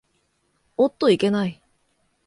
おっといけない。